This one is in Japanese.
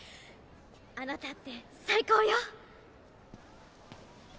あなたって最高よ！